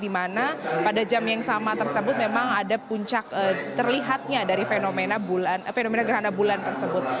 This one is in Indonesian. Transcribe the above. di mana pada jam yang sama tersebut memang ada puncak terlihatnya dari fenomena gerhana bulan tersebut